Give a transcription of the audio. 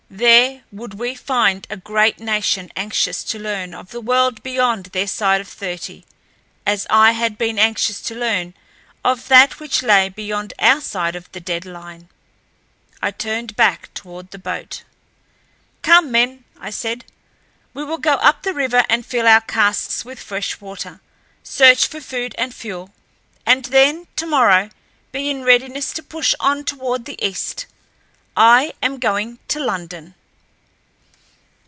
There would we find a great nation anxious to learn of the world beyond their side of thirty, as I had been anxious to learn of that which lay beyond our side of the dead line. I turned back toward the boat. "Come, men!" I said. "We will go up the river and fill our casks with fresh water, search for food and fuel, and then tomorrow be in readiness to push on toward the east. I am going to London."